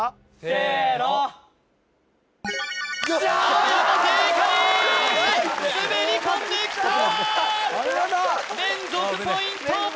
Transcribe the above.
せーの青山正解滑り込んできたお見事連続ポイント